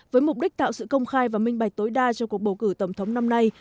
với mục đích tạo sự công khai và minh bạch tối đa cho cuộc bầu cử tổng thống năm nay